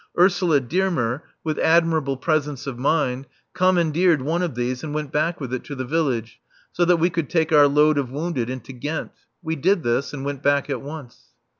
Ursula Dearmer, with admirable presence of mind, commandeered one of these and went back with it to the village, so that we could take our load of wounded into Ghent. We did this, and went back at once.